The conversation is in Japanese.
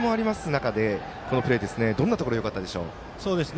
中で、このプレーどんなところがよかったでしょう。